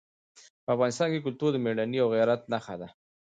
په افغانستان کې کلتور د مېړانې او غیرت نښه ده.